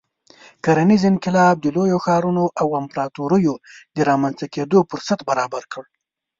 کرنیز انقلاب د لویو ښارونو او امپراتوریو د رامنځته کېدو فرصت برابر کړ.